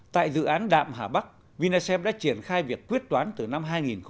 tại dự án đạm hà bắc vinasim đã triển khai việc quyết toán từ năm hai nghìn một mươi